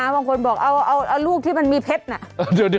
บางคนบอกเอาลูกที่มันมีเพชรน่ะ